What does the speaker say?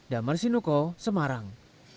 damar sinuko semarang